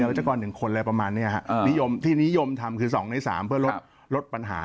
วัชกร๑คนอะไรประมาณนี้ฮะนิยมที่นิยมทำคือ๒ใน๓เพื่อลดลดปัญหา